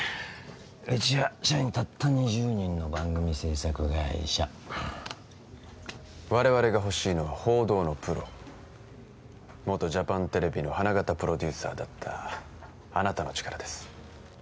うちは社員たった２０人の番組制作会社我々が欲しいのは報道のプロ元ジャパンＴＶの花形プロデューサーだったあなたの力です